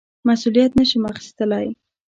مسوولیت نه شم اخیستلای.